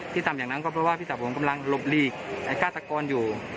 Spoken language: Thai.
ทำอย่างนั้นก็เพราะว่าพี่สาวผมกำลังหลบหลีกไอ้ฆาตกรอยู่